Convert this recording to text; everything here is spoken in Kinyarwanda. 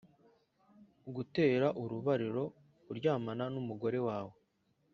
gutera urubariro: kuryamana n’umugore wawe